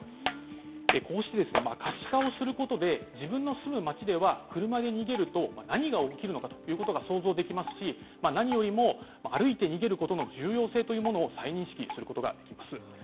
こうして可視化をすることで、自分の住む町では車で逃げると何が起きるのかということを想像できますし、何よりも、歩いて逃げることの重要性というものを再認識することができます。